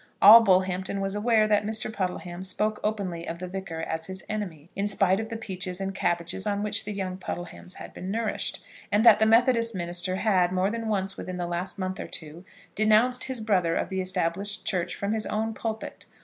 All Bullhampton was aware that Mr. Puddleham spoke openly of the Vicar as his enemy, in spite of the peaches and cabbages on which the young Puddlehams had been nourished; and that the Methodist minister had, more than once within the last month or two, denounced his brother of the Established Church from his own pulpit.